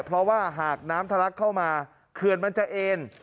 เพราะว่าหากน้ำทะลักเข้ามาเขื่อนมันจะเอ็น